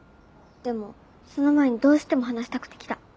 でもその前にどうしても話したくて来た。